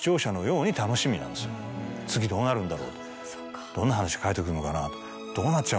「次どうなるんだろう？」。